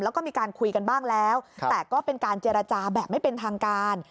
แล้วก็มีการคุยกันบ้างแล้วแต่ก็เป็นการเจรจาแบบไม่เป็นทางการ